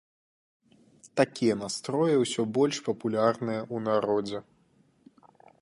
Такія настроі ўсё больш папулярныя ў народзе.